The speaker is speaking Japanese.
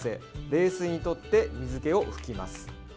冷水にとって水けを拭きます。